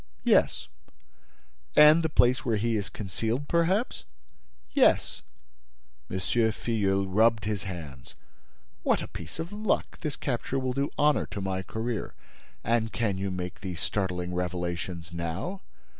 "Yes." "And the place where he is concealed, perhaps?" "Yes." M. Filleul rubbed his hands. "What a piece of luck! This capture will do honor to my career. And can you make me these startling revelations now?"